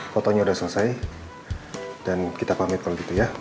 fotonya sudah selesai dan kita pamit kalau gitu ya